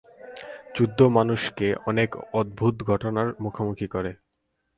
যুদ্ধ মানুষকে অনেক অদ্ভুত ঘটনার মুখোমুখি করে।